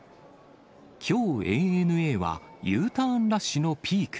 きょうＡＮＡは、Ｕターンラッシュのピーク。